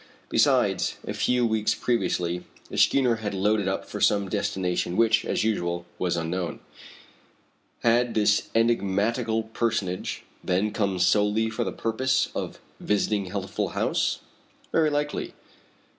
Besides, a few weeks previously, the schooner had loaded up for some destination which, as usual, was unknown. Had this enigmatical personage then come solely for the purpose of visiting Healthful House? Very likely.